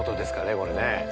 これね。